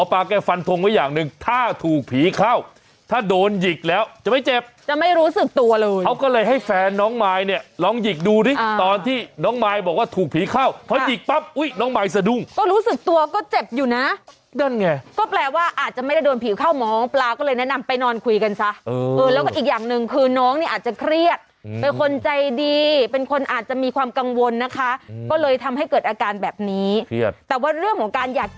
พ่อหนุ่มคนนี้ตะโกนโวยวายนะตอนแรกบอกเฮ้ยมาเลี้ยงมั้ย